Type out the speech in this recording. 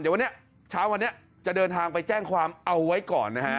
เดี๋ยววันนี้เช้าวันนี้จะเดินทางไปแจ้งความเอาไว้ก่อนนะฮะ